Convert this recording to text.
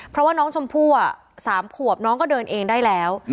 เพราะว่าน้องชมพู่๓ขวบน้องก็เดินเองได้แล้ว